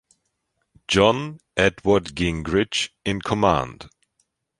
John Edward Gingrich in command.